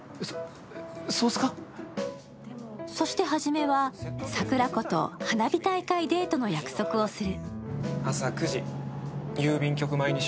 そしてハジメは、桜子と花火大会デートの約束をする。